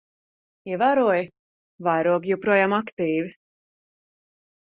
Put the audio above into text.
Ievēroji? Vairogi joprojām aktīvi.